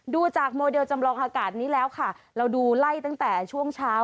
ดูจากโมเดลจำลองอากาศนี้แล้วค่ะเราดูไล่ตั้งแต่ช่วงเช้า